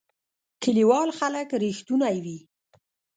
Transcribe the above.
کلیوال خلک رښتونی وی